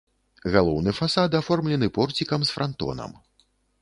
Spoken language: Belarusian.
Галоўны фасад аформлены порцікам з франтонам.